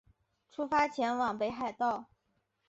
出发前往北海道